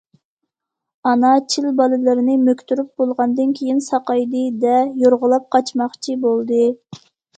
ئانا چىل بالىلىرىنى مۆكتۈرۈپ بولغاندىن كېيىن،« ساقايدى»- دە، يورغىلاپ قاچماقچى بولدى.